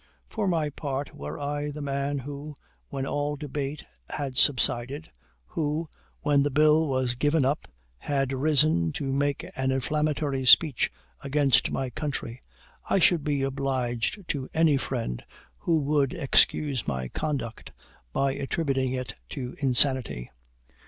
For my part were I the man who, when all debate had subsided who, when the bill was given up, had risen to make an inflammatory speech against my country, I should be obliged to any friend who would excuse my conduct by attributing it to insanity.